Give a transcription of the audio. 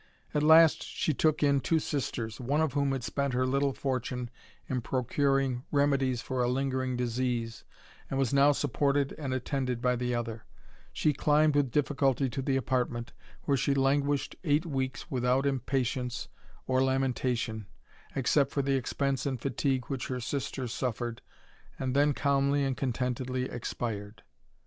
At last she took in two sisters, one of whom had spent her little fortune in procuring remedies for a lingering disease, and was now supported and attended by the other: she climbed with difficulty to the apartment, where she languished eight weeks without impatience, or lamentation, except for the expense and fatigue which her sister suffered, and then THE RAMBLER. 173 ly and contentedly expired.